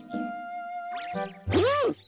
うん！